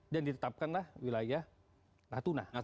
dan ditetapkanlah wilayah natuna